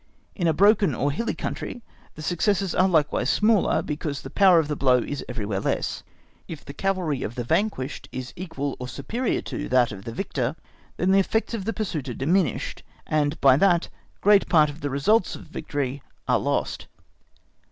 In a broken or hilly country the successes are likewise smaller, because the power of the blow is everywhere less. If the cavalry of the vanquished is equal or superior to that of the victor, then the effects of the pursuit are diminished, and by that great part of the results of victory are lost.